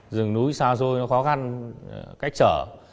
rừng núi xa xôi khó khăn cách trở